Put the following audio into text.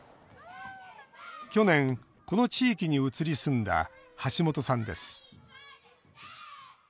去年、この地域に移り住んだ橋本さんです。